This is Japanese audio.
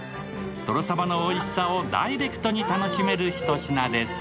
とろさばのおいしさをダイレクトに楽しめるひと品です。